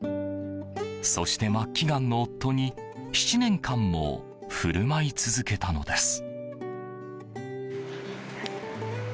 そして、末期がんの夫に７年間も振る舞い続けたのです。